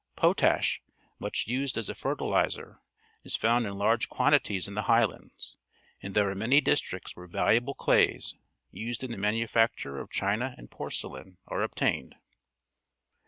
P otash , much used as a ferti lizer, is found in large quantities in the highlands, and there are many districts where valuable clays, used in the manufacture of china and porcelain, are obtained.